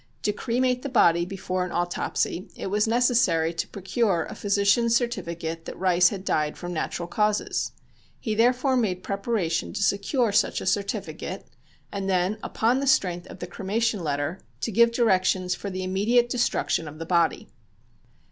To cremate the body before an autopsy it was necessary to procure a physician's certificate that Rice had died from natural causes. He therefore made preparation to secure such a certificate, and then upon the strength of the cremation letter to give directions for the immediate destruction of the body.